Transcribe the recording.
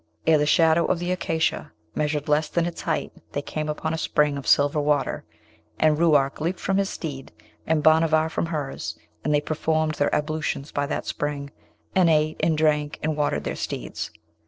Ere the shadow of the acacia measured less than its height they came upon a spring of silver water, and Ruark leaped from his steed, and Bhanavar from hers, and they performed their ablutions by that spring, and ate and drank, and watered their steeds.